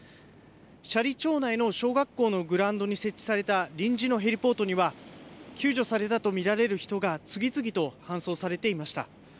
斜里町内の小学校のグラウンドに設置された臨時のヘリポートには救助されたと見られる人が次々と搬送されていました。